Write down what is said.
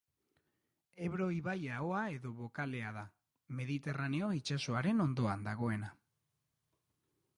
Ebro ibai-ahoa edo bokalea da, Mediterraneo itsasoaren ondoan dagoena.